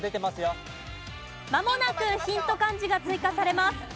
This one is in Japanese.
まもなくヒント漢字が追加されます。